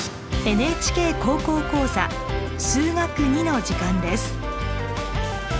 ＮＨＫ高校講座「数学Ⅱ」の時間です。